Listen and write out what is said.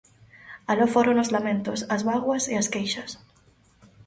Aló foron os lamentos, as bágoas e as queixas.